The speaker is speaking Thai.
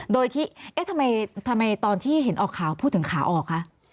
โดยที่เอ๊ะทำไมตอนที่เห็นออกข่าวพูดถึงขาออกคะ